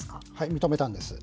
認めたんです。